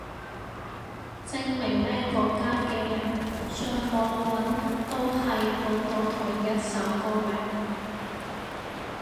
證明咩國家嘅人上網搵都係搵到同一首歌名